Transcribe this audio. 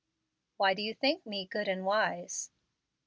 "Why do you think me 'good and wise'?"